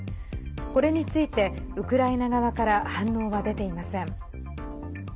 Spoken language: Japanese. これについて、ウクライナ側から反応は出ていません。